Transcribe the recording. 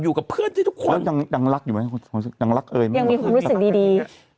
อยู่กับเพื่อนที่ทุกคนน้ำลักอยู่มั้ยน้ำลักแม่ยังมีความรู้สึกดีดี